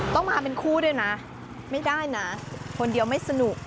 ต้องมาเป็นคู่ด้วยนะไม่ได้นะคนเดียวไม่สนุก